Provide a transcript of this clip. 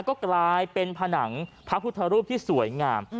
ก็กลายเป็นผนังพระพุทธรูปที่สวยงาม